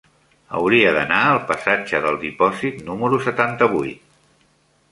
Hauria d'anar al passatge del Dipòsit número setanta-vuit.